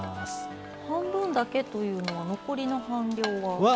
半分だけというのは残りの半量は。